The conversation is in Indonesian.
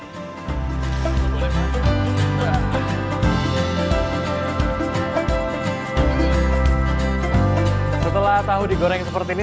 setelah tahu digoreng seperti ini